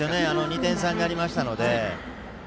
２点差になりしたので。